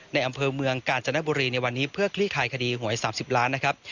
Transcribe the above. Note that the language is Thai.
ในอำเภอเมืองกาญจนบุรีในวันนี้เพื่อคลี่คลายคดีหวย๓๐ล้านนะครับ